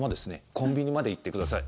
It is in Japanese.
コンビニまで行ってください。